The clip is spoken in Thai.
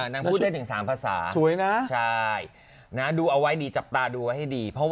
นางพูดได้ถึง๓ภาษาดูเอาไว้ดีจับตาดูไว้ให้ดี